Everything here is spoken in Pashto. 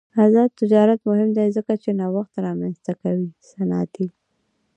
آزاد تجارت مهم دی ځکه چې نوښت رامنځته کوي صنعتي.